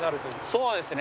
そうですね。